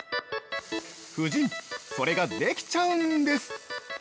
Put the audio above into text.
◆夫人、それができちゃうんです。